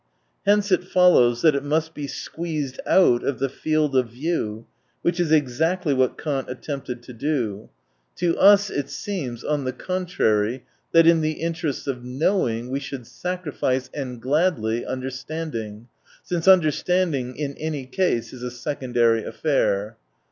Hence it follows that it naust be squeezed out of the field of view — which is exactly what Kant attempted to do. To I 129 us it seems, on the contrary, that in the interests of knowing we should sacrifice, and gladly, understanding, since under standing in any case is a secondary affair.